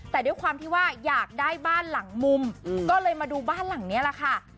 แต่ด้วยความที่ว่าอยากได้บ้านหลังมุมก็เลยมาดูบ้านหลังนี้แหละค่ะ